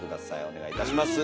お願いいたします。